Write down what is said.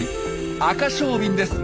アカショウビンです。